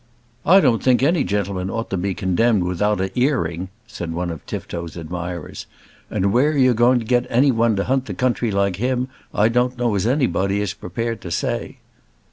"I don't think any gentleman ought to be condemned without a 'earing," said one of Tifto's admirers, "and where you're to get any one to hunt the country like him, I don't know as any body is prepared to say."